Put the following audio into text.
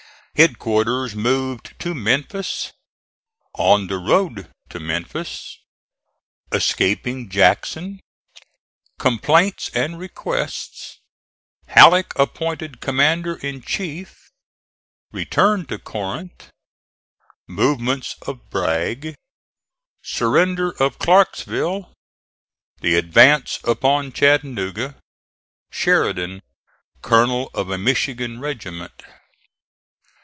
HEADQUARTERS MOVED TO MEMPHIS ON THE ROAD TO MEMPHIS ESCAPING JACKSON COMPLAINTS AND REQUESTS HALLECK APPOINTED COMMANDER IN CHIEF RETURN TO CORINTH MOVEMENTS OF BRAGG SURRENDER OF CLARKSVILLE THE ADVANCE UPON CHATTANOOGA SHERIDAN COLONEL OF A MICHIGAN REGIMENT.